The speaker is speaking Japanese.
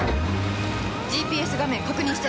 ＧＰＳ画面確認して。